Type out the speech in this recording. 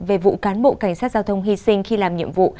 về vụ cán bộ cảnh sát giao thông hy sinh khi làm nhiệm vụ